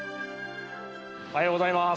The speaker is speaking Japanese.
おはようございます。